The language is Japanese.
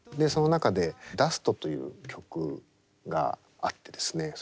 その中で「ダスト」という曲があってですね